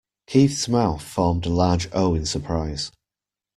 Keith's mouth formed a large O in surprise.